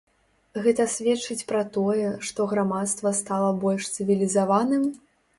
Гэта сведчыць пра тое, што грамадства стала больш цывілізаваным?